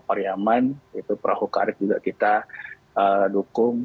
nyaman perahu karet juga kita dukung